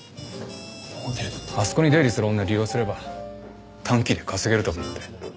あそこに出入りする女利用すれば短期で稼げると思って。